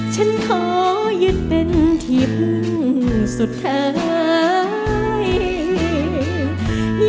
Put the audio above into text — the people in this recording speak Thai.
ฉันขอยึดเป็นที่พึ่งสุดท้าย